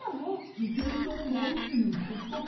じてんしゃものるっていうひとつだけ？